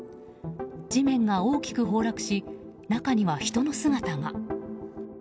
地面が大きく崩落し中には人の姿が。